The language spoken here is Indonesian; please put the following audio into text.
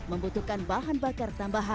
membutuhkan bahan bakar tambahan